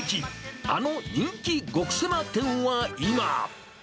あの人気極セマ店は今？